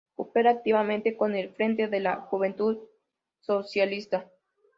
Coopera activamente con el Frente de la Juventud Socialista.